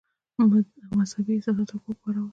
مدهبي احساسات ښه وپارول.